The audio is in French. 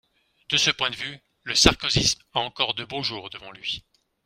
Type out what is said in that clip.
De ce point de vue, le sarkozysme a encore de beaux jours devant lui.